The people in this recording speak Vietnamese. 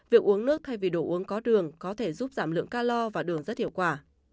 việc uống nước thay vì đồ uống có đường có thể giúp giảm lượng ca lo và đường rất hiệu quả